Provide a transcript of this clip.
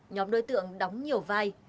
nhóm đối tượng đóng nhiều vai